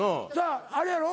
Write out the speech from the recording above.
あれやろ？